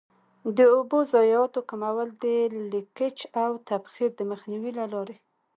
د اوبو ضایعاتو کمول د لیکج او تبخیر د مخنیوي له لارې.